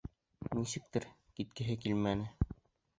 Нисектер, киткеһе килмәне.